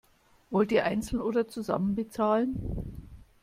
Wollt ihr einzeln oder zusammen bezahlen?